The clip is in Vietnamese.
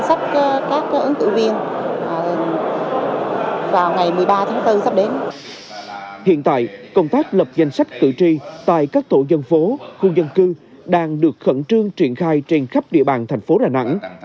hiện tại công tác lập danh sách cử tri tại các tổ dân phố khu dân cư đang được khẩn trương triển khai trên khắp địa bàn thành phố đà nẵng